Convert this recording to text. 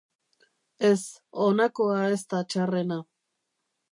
Ez, honakoa ez da txarrena.